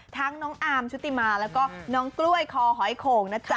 ทั้งน้องอาร์มชุติมาแล้วก็น้องกล้วยคอหอยโข่ง